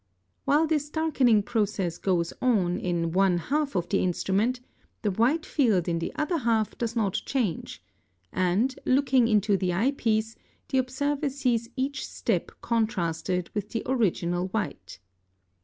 While this darkening process goes on in one half of the instrument, the white field in the other half does not change, and, looking into the eyepiece, the observer sees each step contrasted with the original white.